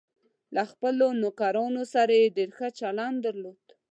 له خپلو نوکرانو سره یې ډېر ښه چلند درلود.